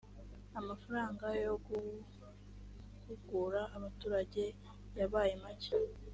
amafaranga yo guhugura abaturage yabaye make